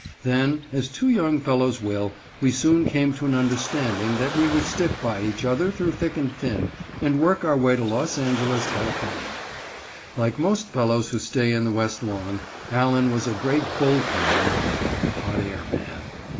Then, as two young fellows will, we soon came to an understanding that we would stick by each other through thick and thin and work our way to Los Angeles, Cal. Like most fellows who stay in the West long, Allen was a great bull con man (hot air man).